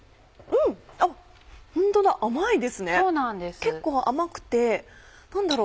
結構甘くて何だろう？